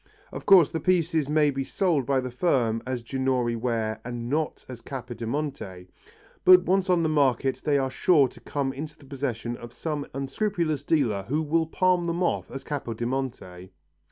Of course the pieces may be sold by the firm as Ginori ware and not as Capodimonte, but once on the market they are sure to come into the possession of some unscrupulous dealer who will palm them off as Capodimonte.